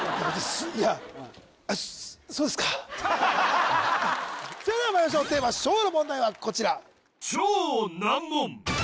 いややああそれではまいりましょうテーマ昭和の問題はこちら